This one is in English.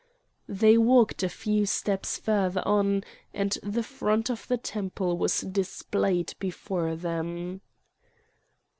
They walked a few steps further on, and the front of the temple was displayed before them.